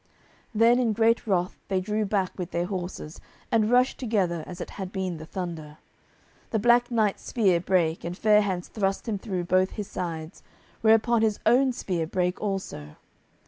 Then in great wrath they drew back with their horses, and rushed together as it had been the thunder. The Black Knight's spear brake, and Fair hands thrust him through both his sides, whereupon his own spear brake also.